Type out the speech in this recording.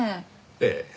ええ。